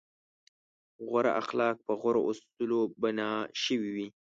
غوره اخلاق په غوره اصولو بنا شوي وي.